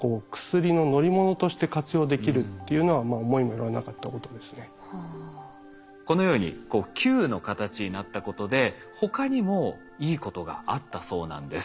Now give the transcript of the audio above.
そういったものがこのように球の形になったことで他にもいいことがあったそうなんです。